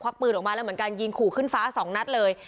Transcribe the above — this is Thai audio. ปืนออกมาแล้วเหมือนกันยิงขู่ขึ้นฟ้าสองนัดเลย